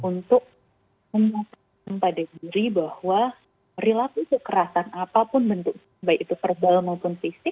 untuk memaksa pada diri bahwa perilaku keserasan apapun bentuk baik itu verbal maupun fisik